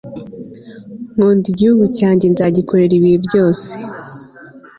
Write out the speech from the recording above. nkunda igihugu cyanjye nzagikorera ibihe byose